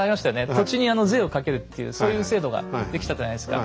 土地に税をかけるっていうそういう制度が出来たじゃないですか。